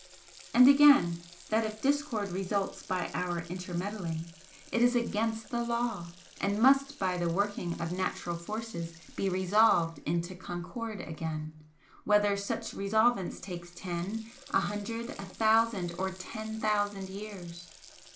And again, that if discord results by our inter meddling, it is AGAINST THE LAW, and must by the working of natural forces be resolved into concord again, whether such resolvance take ten, a hundred, a thousand or ten thousand years?